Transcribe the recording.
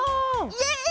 イエイ！